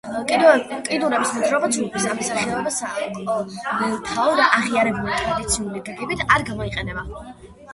კიდურების მოძრაობა ცურვის ამ სახეობაში საყოველთაოდ აღიარებული ტრადიციული გაგებით არ გამოიყენება.